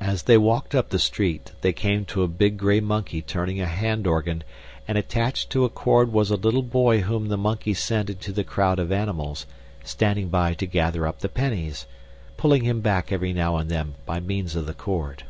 As they walked up the street they came to a big grey monkey turning a hand organ, and attached to a cord was a little nigger boy whom the monkey sent into the crowd of animals, standing by to gather up the pennies, pulling him back every now and then by means of the cord.